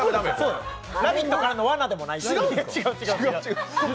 「ラヴィット！」からのわなでもない。